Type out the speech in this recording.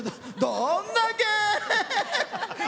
どんだけ！